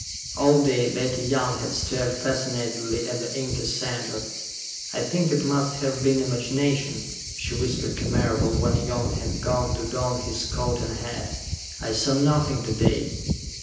All day, Betty Young had stared fascinatedly at the inky center. "I think it must have been imagination," she whispered to Marable, when Young had gone to don his coat and hat. "I saw nothing to day."